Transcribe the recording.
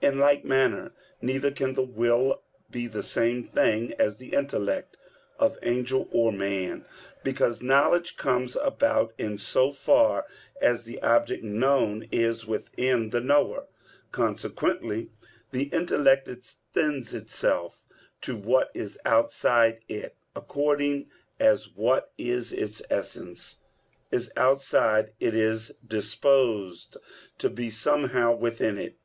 In like manner neither can the will be the same thing as the intellect of angel or man. Because knowledge comes about in so far as the object known is within the knower; consequently the intellect extends itself to what is outside it, according as what, in its essence, is outside it is disposed to be somehow within it.